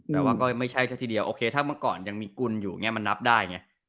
แต่ว่าก็ไม่ใช่ซะทีเดียวโอเคถ้าเมื่อก่อนยังมีกุลอยู่อย่างนี้มันนับได้ไง